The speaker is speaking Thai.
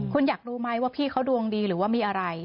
คุณอยากรู้ไหมว่าพี่เขาดวงดีหรือว่ามีอะไร